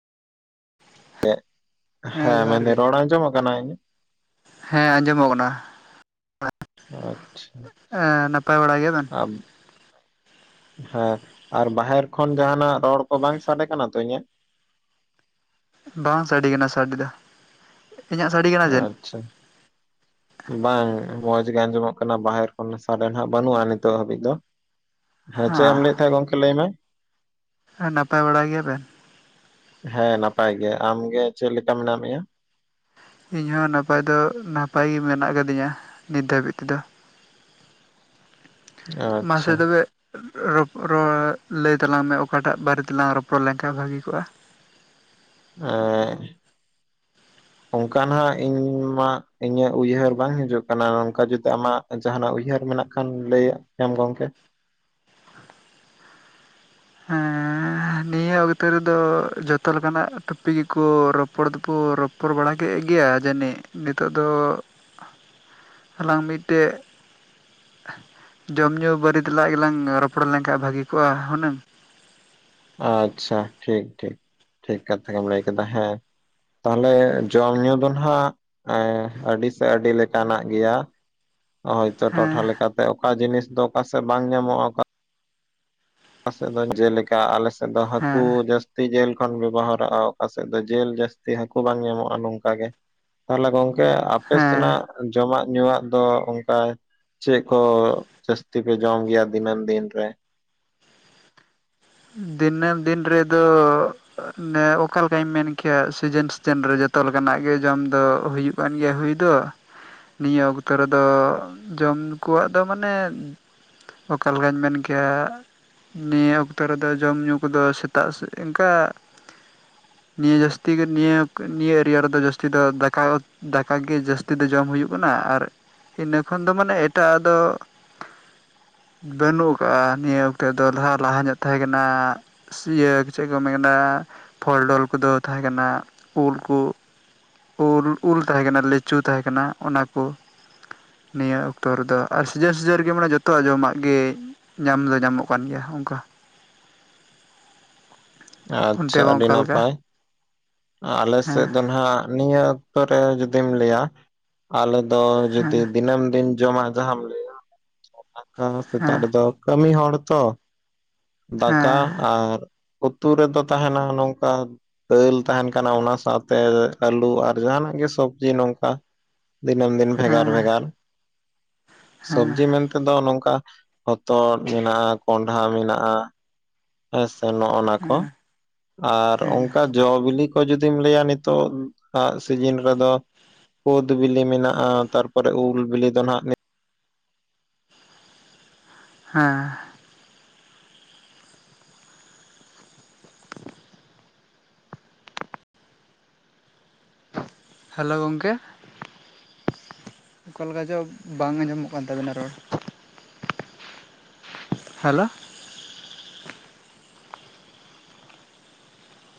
ᱦᱮᱸ ᱡᱚᱦᱟᱨ ᱢᱮᱱ ᱫᱟᱹᱧ ᱜᱮ ᱨᱚᱲ ᱟᱸᱡᱚᱢ ᱠᱟᱱᱟ ᱤᱧ ᱟᱜ? ᱦᱮᱸ ᱟᱸᱡᱚᱢᱚᱜ ᱠᱟᱱᱟ, ᱟᱪᱪᱷᱟ ᱮ ᱱᱟᱯᱟᱭ ᱵᱟᱲᱟ ᱜᱮᱭᱟ ᱵᱮᱱ? ᱟᱨ ᱦᱮᱸ ᱟᱨ ᱵᱟᱦᱮᱨ ᱠᱷᱚᱱ ᱡᱟᱦᱟᱸᱱᱟᱜ ᱨᱚᱲ ᱠᱚ ᱵᱟᱝ ᱥᱟᱰᱮ ᱠᱟᱱᱟ ᱛᱚ ᱤᱧᱟᱹᱜ? ᱵᱟᱝ ᱥᱟᱰᱮ ᱠᱟᱱᱟ ᱥᱟᱰᱮ ᱫᱚ ᱤᱧᱟᱹᱜ ᱥᱟᱰᱮ ᱠᱟᱱ ᱟᱪᱪᱷᱟ [inaudible] ᱵᱟᱝ ᱢᱚᱸᱡᱽ ᱜᱮ ᱟᱸᱡᱚᱢᱚᱜ ᱠᱟᱱᱟ ᱵᱟᱦᱮᱨ ᱠᱷᱚᱱ ᱥᱟᱰᱮ ᱱᱟᱦᱟᱸᱜ ᱵᱟᱹᱱᱩᱜᱼᱟ ᱱᱤᱛᱚᱜ ᱦᱟᱹᱵᱤᱡ ᱫᱚ ᱦᱮᱸ ᱪᱮᱫ ᱮᱢ ᱞᱟᱹᱭ ᱮᱫ ᱛᱟᱦᱮᱸ ᱜᱚᱢᱠᱮ ᱞᱟᱹᱭ ᱢᱮ ᱦᱮᱸ ᱱᱟᱯᱟᱭ ᱵᱟᱲᱟ ᱜᱮᱭᱟ ᱵᱮᱱ? ᱦᱮᱸ ᱱᱟᱯᱟᱭ ᱜᱮ, ᱟᱢ ᱜᱮ ᱪᱮᱫ ᱞᱮᱠᱟ ᱢᱮᱱᱟᱜ ᱢᱤᱭᱟ? ᱤᱧ ᱦᱚᱸ ᱱᱟᱯᱟᱭ ᱫᱚ ᱱᱟᱯᱟᱭ ᱜᱮ ᱢᱮᱱᱟᱜ ᱠᱟᱫᱤᱧᱟ ᱱᱤᱛ ᱫᱷᱟᱹᱵᱤᱡᱽ ᱛᱮᱫᱚ ᱢᱟᱥᱮ ᱟᱪᱪᱷᱟ ᱛᱚᱵᱮ ᱨᱚᱯ ᱨᱚ ᱞᱟᱹᱭ ᱛᱟᱞᱟᱝ ᱢᱮ ᱚᱠᱟᱴᱟᱜ ᱵᱟᱨᱮ ᱛᱮᱞᱟᱝ ᱨᱚᱯᱚᱲ ᱞᱮᱱ ᱠᱷᱟᱱ ᱵᱷᱟᱹᱜᱤ ᱠᱚᱜᱼᱟ ᱮᱸᱻ [inaudible] ᱚᱱᱠᱟ ᱱᱟᱦᱟᱜ ᱤᱧ ᱢᱟ ᱤᱧᱟᱹᱜ ᱩᱭᱦᱟᱹᱨ ᱵᱟᱝ ᱦᱤᱡᱩᱜ ᱠᱟᱱᱟ ᱱᱚᱝᱠᱟ ᱡᱩᱫᱤ ᱟᱢᱟᱜ ᱡᱟᱦᱟᱱᱟᱜ ᱩᱭᱦᱟᱹᱨ ᱢᱮᱱᱟᱜ ᱠᱷᱟᱱ ᱞᱟᱹᱭ ᱟᱜ ᱠᱮᱭᱟᱢ ᱜᱚᱝᱠᱮ ᱦᱮᱸᱻ ᱱᱤᱭᱟᱹ ᱚᱠᱛᱮ ᱨᱮᱫᱚ ᱡᱚᱛᱚ ᱞᱮᱠᱟᱱᱟᱜ ᱴᱚᱯᱤᱠ ᱜᱮᱠᱚ ᱨᱚᱯᱚᱲ ᱫᱚᱠᱚ ᱨᱚᱯ ᱨᱚᱯᱚᱲ ᱵᱟᱲᱟ ᱠᱮᱫ ᱜᱮᱭᱟ ᱡᱟᱹᱱᱤᱡ ᱱᱤᱛᱚᱜ ᱫᱚ ᱟᱞᱟᱝ ᱢᱤᱫ ᱴᱮᱜ ᱡᱚᱢ ᱧᱩ ᱵᱟᱹᱨᱮ ᱛᱮᱞᱟᱜ ᱜᱮᱞᱟᱝ ᱨᱚᱯᱚᱲ ᱞᱮᱱᱠᱷᱟᱱ ᱵᱷᱟᱹᱜᱮ ᱠᱚᱜᱼᱟ ᱦᱩᱱᱟᱹᱝ ᱟᱪᱪᱷᱟ ᱴᱷᱤᱠ ᱴᱷᱤᱠ ᱴᱷᱤᱠ ᱠᱟᱛᱷᱟ ᱜᱮᱢ ᱞᱟᱹᱭ ᱠᱮᱫᱟ ᱦᱮᱸ ᱛᱟᱦᱚᱞᱮ ᱡᱚᱢ ᱧᱩ ᱫᱚ ᱱᱟᱦᱟᱜ ᱮ ᱟᱹᱰᱤ ᱥᱮ ᱟᱹᱰᱤ ᱞᱮᱠᱟᱱᱟᱜ ᱜᱮᱭᱟ, ᱦᱳᱭ ᱛᱚ ᱦᱮᱸ ᱴᱚᱴᱷᱟ ᱞᱮᱠᱟ ᱛᱮ ᱚᱠᱟ ᱡᱤᱱᱤᱥ ᱫᱚ ᱚᱠᱟ ᱥᱮᱫ ᱵᱟᱝ ᱧᱟᱢᱚᱜᱼᱟ ᱚᱠᱟ ᱚᱠᱟ ᱥᱮᱫ ᱫᱚ ᱡᱮᱞᱮᱠᱟ ᱟᱞᱮ ᱥᱮᱫ ᱫᱚ ᱦᱟᱹᱠᱩ ᱦᱮᱸ ᱡᱟᱹᱥ ᱡᱟᱹᱥᱛᱤ ᱡᱤᱞ ᱠᱷᱚᱱ ᱵᱮᱵᱚᱦᱟᱨᱚᱜᱼᱟ ᱚᱠᱟ ᱥᱮᱫ ᱫᱚ ᱡᱤᱞ ᱡᱟᱹᱥᱛᱤ ᱦᱟᱹᱠᱩ ᱵᱟᱝ ᱧᱟᱢᱚᱜᱼᱟ ᱱᱚᱝᱠᱟ ᱜᱮ, ᱛᱟᱦᱚᱞᱮ ᱜᱚᱝᱠᱮ ᱟᱯᱮ ᱥᱮᱱᱟᱜ ᱦᱮᱸ ᱡᱚᱢᱟᱜ ᱧᱩᱣᱟᱜ ᱫᱚ ᱚᱱᱠᱟ ᱪᱮᱫ ᱠᱚ ᱡᱟᱹᱥᱛᱤ ᱯᱮ ᱡᱚᱢ ᱜᱮᱭᱟ ᱫᱤᱱᱟᱹᱢ ᱫᱤᱱ ᱨᱮ? ᱫᱤᱱᱟᱹᱢ ᱫᱤᱱ ᱨᱮ ᱫᱚ ᱱᱮ ᱚᱠᱟ ᱞᱮᱠᱟᱧ ᱢᱮᱱ ᱠᱮᱭᱟ ᱥᱤᱡᱤᱱ ᱥᱤᱡᱮᱱ ᱨᱮ ᱡᱚᱛᱚ ᱞᱮᱠᱟᱱᱟᱜ ᱜᱮ ᱡᱚᱢ ᱫᱚ ᱦᱩᱭᱩᱜ ᱠᱟᱱ ᱜᱮᱭᱟ ᱦᱩᱭ ᱫᱚ ᱱᱤᱭᱟᱹ ᱚᱠᱛᱚ ᱨᱮ ᱫᱚ ᱡᱚᱢ ᱠᱚᱣᱟᱜ ᱫᱚ ᱢᱟᱱᱮ ᱚᱠᱟ ᱞᱮᱠᱟᱧ ᱢᱮᱱ ᱠᱮᱭᱟ ᱱᱤᱭᱟᱹ ᱚᱠ ᱚᱠᱛᱚ ᱨᱮᱫᱚ ᱡᱚᱢᱼᱧᱩ ᱠᱚᱫᱚ ᱥᱮᱛᱟᱜ ᱥᱮ ᱤᱱᱠᱟ, ᱱᱤᱭᱟᱹ ᱡᱟᱹᱥᱛᱤ ᱜᱮ ᱱᱤᱭᱟᱹ ᱱᱤᱭᱟᱹ ᱮᱨᱤᱭᱟ ᱨᱮ ᱫᱚ ᱡᱟᱹᱥᱛᱤ ᱫᱚ ᱫᱟᱠᱟ ᱫᱟᱠᱟ ᱜᱮ ᱡᱟᱹᱥᱛᱤ ᱫᱚ ᱡᱚᱢ ᱦᱩᱭᱩᱜ ᱠᱟᱱᱟ ᱟᱨ ᱤᱱᱟᱹ ᱠᱷᱚᱱ ᱫᱚ ᱢᱟᱱᱮ ᱮᱴᱟᱜ ᱟᱜ ᱫᱚ ᱵᱟᱹᱱᱩᱜᱼᱟ ᱱᱤᱭᱟᱹ ᱚᱠᱛᱮ ᱫᱚ ᱞᱟᱦᱟ ᱞᱟᱦᱟ ᱧᱚᱜ ᱛᱟᱦᱮᱸ ᱠᱟᱱᱟ ᱥᱤᱭᱟᱹ ᱪᱮᱫ ᱠᱚ ᱢᱮᱱᱟ ᱯᱷᱚᱞ ᱰᱚᱞ ᱠᱚᱫᱚ ᱛᱟᱦᱮᱸ ᱠᱟᱱᱟ ᱩᱞ ᱠᱩ ᱩᱞ ᱩᱞ ᱛᱟᱦᱮᱸ ᱠᱟᱱᱟ ᱞᱤᱪᱩ ᱛᱟᱦᱮᱸ ᱠᱟᱱᱟ ᱚᱱᱟ ᱠᱚ, ᱱᱤᱭᱟᱹ ᱚᱠᱛᱚ ᱨᱮᱫᱚ ᱟᱨ ᱥᱤᱡᱟᱹᱱ ᱥᱤᱡᱟᱹᱱ ᱨᱮᱜᱮ ᱢᱟᱱᱮ ᱡᱚᱛᱚᱣᱟᱜ ᱡᱚᱢᱟᱜ ᱜᱮ, ᱧᱟᱢ ᱫᱚ ᱧᱟᱢᱚᱜ ᱠᱟᱱ ᱜᱮᱭᱟ ᱚᱱᱠᱟ [inaudible] ᱚᱱᱛᱮ ᱟᱪᱪᱷᱟ ᱢᱟ ᱟᱹᱰᱤ ᱚᱠᱟ ᱞᱮᱠᱟ ᱱᱟᱯᱟᱭ ᱟᱞᱮ ᱦᱮᱸ ᱥᱮᱫ ᱫᱚ ᱱᱟᱦᱟᱜ ᱱᱤᱭᱟᱹ ᱚᱠᱛᱚ ᱨᱮ ᱡᱩᱫᱤᱢ ᱞᱟᱹᱭᱟ ᱟᱞᱮ ᱫᱚ ᱡᱩᱫᱤ ᱦᱮᱸ ᱫᱤᱱᱟᱹᱢ ᱫᱤᱱ ᱡᱚᱢᱟᱜ ᱡᱟᱦᱟᱸᱢ ᱞᱟᱹᱭᱟ ᱚᱠᱟ ᱠᱚ ᱥᱮᱛᱟᱜ ᱦᱮᱸ ᱨᱮ ᱫᱚ ᱠᱟᱹᱢᱤ ᱦᱚᱲ ᱛᱚ ᱦᱮᱸ ᱫᱟᱠᱟ ᱟᱨ ᱩᱛᱩ ᱨᱮᱫᱚ ᱛᱟᱦᱮᱱᱟ ᱱᱚᱝᱠᱟ ᱫᱟᱹᱞ ᱛᱟᱦᱮᱱ ᱠᱟᱱᱟ ᱚᱱᱟ ᱥᱟᱶᱛᱮ ᱟᱹᱞᱩ ᱟᱨ ᱡᱟᱦᱟᱱᱟᱜ ᱜᱮ ᱥᱚᱵᱽᱡᱤ ᱱᱚᱝᱠᱟ ᱫᱤᱱᱟᱹᱢ ᱫᱤᱱ ᱵᱷᱮᱜᱟᱨ ᱦᱮᱸ ᱵᱷᱮᱜᱟᱨ ᱦᱮᱸ ᱥᱚᱵᱡᱤ ᱢᱮᱱᱛᱮ ᱫᱚ ᱱᱚᱝᱠᱟ ᱦᱚᱛᱚᱫ ᱢᱮᱱᱟᱜᱼᱟ ᱠᱚᱸᱰᱷᱟ ᱢᱮᱱᱟᱜᱼᱟ ᱦᱮᱸ ᱥᱮ ᱱᱚᱜᱼᱱᱟ ᱠᱚ ᱦᱮᱸ ᱟᱨ ᱦᱮᱸ ᱚᱱᱠᱟ ᱡᱚ ᱵᱤᱞᱤ ᱠᱚ ᱡᱩᱫᱤᱢ ᱞᱟᱹᱭᱟ ᱱᱤᱛᱚᱜᱟ ᱥᱤᱡᱤᱱ ᱨᱮᱫᱚ ᱠᱩᱳᱫ ᱵᱤᱞᱤ ᱢᱮᱱᱟᱜᱼᱟ ᱛᱟᱨᱯᱚᱨᱮ ᱩᱞ ᱵᱤᱞᱤ ᱫᱚ ᱱᱟᱦᱟᱜ ᱦᱮᱸ ᱦᱮᱞᱳ ᱜᱚᱝᱠᱮ ᱚᱠᱟ ᱞᱮᱠᱟ ᱪᱚ ᱵᱟᱝ ᱟᱸᱡᱚᱢᱚᱜ ᱠᱟᱱ ᱛᱟᱵᱮᱱᱟ ᱨᱚᱲ ᱦᱮᱞᱳ